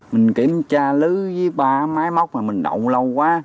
mình kiểm tra lứ với ba máy móc này mình đậu lâu quá